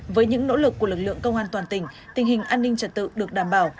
với những nỗ lực của lực lượng công an toàn tỉnh tình hình an ninh trật tự được đảm bảo